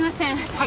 はい。